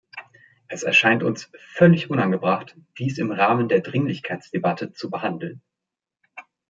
Es erscheint uns völlig unangebracht, dies im Rahmen der Dringlichkeitsdebatte zu behandeln.